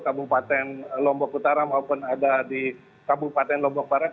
kabupaten lombok utara maupun ada di kabupaten lombok barat